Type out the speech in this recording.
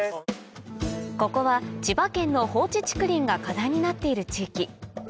ここは千葉県の放置竹林が課題になっている地域